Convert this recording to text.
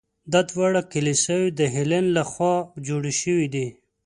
دا دواړه کلیساوې د هیلن له خوا جوړې شوي دي.